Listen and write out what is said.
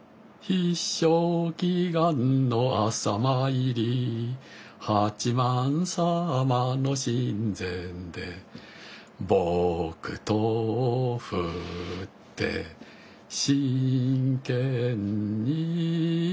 「必勝祈願の朝参り」「八幡様の神前で」「木刀振って真剣に」